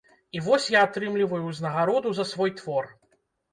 І вось я атрымліваю ўзнагароду за свой твор.